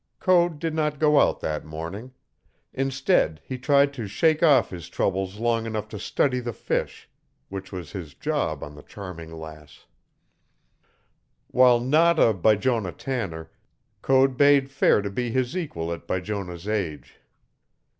Code did not go out that morning. Instead, he tried to shake off his troubles long enough to study the fish which was his job on the Charming Lass. While not a Bijonah Tanner, Code bade fair to be his equal at Bijonah's age.